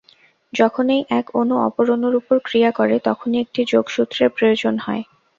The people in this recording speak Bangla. যখনই এক অণু অপর অণুর উপর ক্রিয়া করে, তখনই একটি যোগসূত্রের প্রয়োজন হয়।